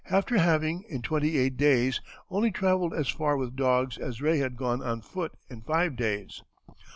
after having, in twenty eight days, only travelled as far with dogs as Rae had gone on foot in five days.